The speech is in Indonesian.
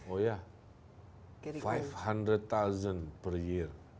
oh ya lima ratus an per year